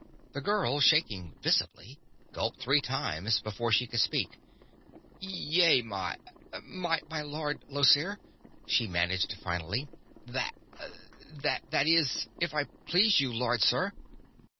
The girl, shaking visibly, gulped three times before she could speak. "Yea, my my Lord Llosir," she managed finally. "Th that is if if I please you, Lord Sir."